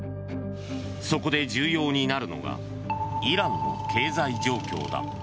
そこで重要になるのがイランの経済状況だ。